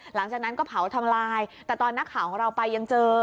หลังจากนั้นก็เผาทำลายแต่ตอนนักข่าวของเราไปยังเจอ